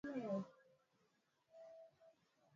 Kuchamba kwingi, kuondoka na mavi